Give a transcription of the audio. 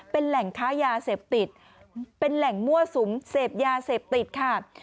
เป็นแหล่งค้ายาเสพติดเป็นแหล่งมั่วสุมเสพยาเสพติดค่ะ